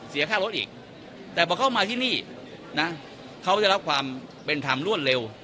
เสียค่ารถอีกแต่พอเข้ามาที่นี่นะเขาจะรับความเป็นธรรมรวดเร็ว